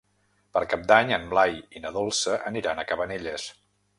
Per Cap d'Any en Blai i na Dolça aniran a Cabanelles.